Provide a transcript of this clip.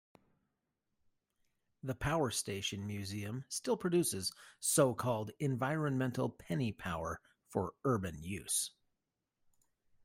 The Power Station Museum still produces so-called environmental penny power for urban use.